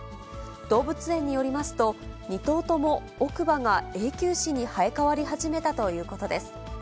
動物園によりますと、２頭とも奥歯が永久歯に生え変わり始めたということです。